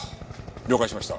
了解しました。